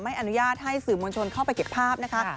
อนุญาตให้สื่อมวลชนเข้าไปเก็บภาพนะคะ